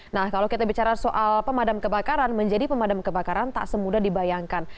nah kalau kita bicara soal pemadam kebakaran menjadi pemadam kebakaran tak semudah dibayangkan